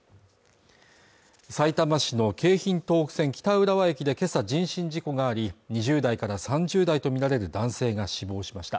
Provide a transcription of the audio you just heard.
さいたま市の京浜東北線・北浦和駅で今朝人身事故があり２０代から３０代とみられる男性が死亡しました